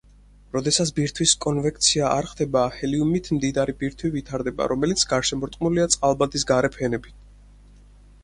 როდესაც ბირთვის კონვექცია არ ხდება, ჰელიუმით მდიდარი ბირთვი ვითარდება, რომელიც გარშემორტყმულია წყალბადის გარე ფენებით.